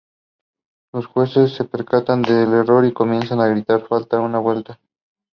Both naves terminate in apses with faceted exteriors.